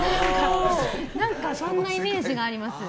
そんなイメージがあります。